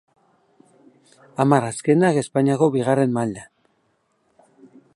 Hamar azkenak Espainiako Bigarren Mailan.